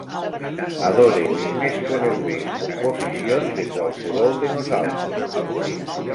Adore les més conegudes composicions de qualsevol de nosaltres.